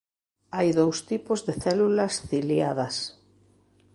Hai dous tipos de células ciliadas.